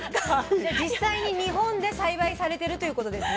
じゃ実際に日本で栽培されてるということですね？